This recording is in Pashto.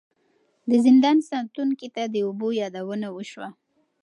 د زندان ساتونکي ته د اوبو یادونه وشوه.